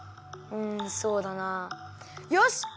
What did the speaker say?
うんそうだなよし